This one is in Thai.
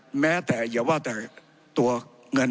ผมจะขออนุญาตให้ท่านอาจารย์วิทยุซึ่งรู้เรื่องกฎหมายดีเป็นผู้ชี้แจงนะครับ